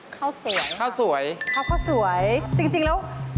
ข้าวสวยค่ะข้าวสวยจริงแล้ว